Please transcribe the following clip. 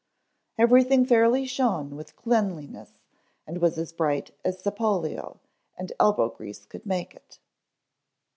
Everything fairly shone with cleanliness and was as bright as sapolio and elbow grease could make it.